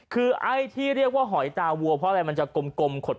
คือไอ้ที่เรียกว่าหอยตาวัวเพราะอะไรมันจะกลมขด